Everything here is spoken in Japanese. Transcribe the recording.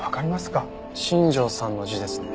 新庄さんの字ですね。